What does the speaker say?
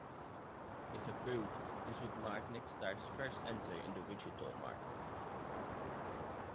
If approved this would mark Nexstar's first entry in the Wichita Market.